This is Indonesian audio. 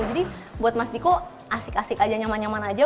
jadi buat mas diko asik asik aja nyaman nyaman aja